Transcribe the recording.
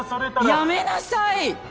やめなさい！